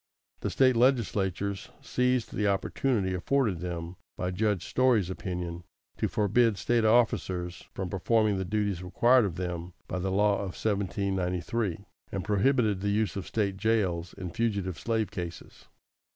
The State legislatures seized the opportunity afforded them by Judge Story's opinion, to forbid State officers from performing the duties required of them by the law of 1793, and prohibited the use of State jails in fugitive slave cases.